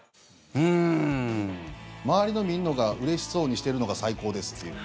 周りのみんながうれしそうにしてるのが最高ですっていう。